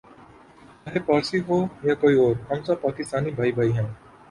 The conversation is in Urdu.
چاہے پارسی ہو یا کوئی اور ہم سب پاکستانی بھائی بھائی ہیں